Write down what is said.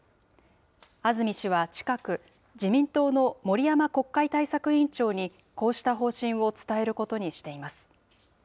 安住氏は近く、自民党の森山国会対策委員長に、こうした方針を伝えることにしています。